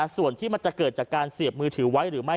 ส่วนที่มันจะเกิดจากการเสียบมือถือไว้หรือไม่